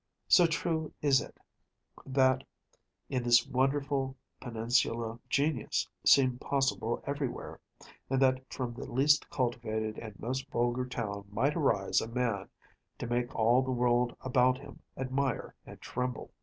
So true is it, that in this wonderful peninsula genius seemed possible everywhere, and that from the least cultivated and most vulgar town might arise a man to make all the world about him admire and tremble.